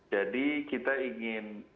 jadi kita ingin